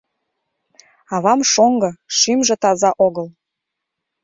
— Авам шоҥго, шӱмжӧ таза огыл.